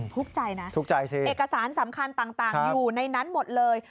ทุกใจนะเอกสารสำคัญต่างอยู่ในนั้นหมดเลย